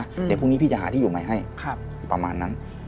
เดี๋ยวพรุ่งนี้พี่จะหาที่อยู่ใหม่ให้ครับประมาณนั้น